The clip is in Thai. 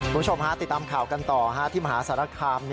คุณผู้ชมฮะติดตามข่าวกันต่อที่มหาสารคาม